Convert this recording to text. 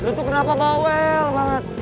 lu tuh kenapa bawel banget